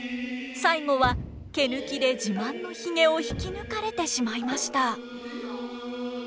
最後は毛抜きで自慢のひげを引き抜かれてしまいました。